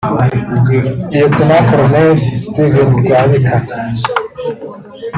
Lt Col Steven Rwabika